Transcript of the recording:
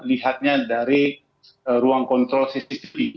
lihatnya dari ruang kontrol cctv